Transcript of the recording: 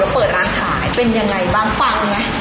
ดีแล้วดีขึ้นดีเรื่อย